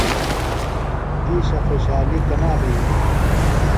دِیشہ خوشحالیۡ کنا بھےۡ یھیلیۡ؟